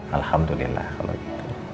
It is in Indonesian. alhamdulillah kalau gitu